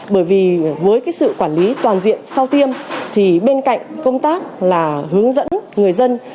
bởi vì với cái sự quản lý toàn diện sau tiêm thì bên cạnh công tác là hướng dẫn người dân